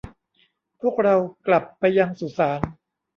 พวกเรากลับไปยังสุสาน